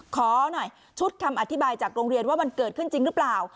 ขอหน่อยชุดคำอธิบายจากโรงเรียนว่ามันเกิดขึ้นจริงหรือเปล่า